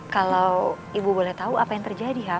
kalau ibu boleh tau apa yang terjadi ham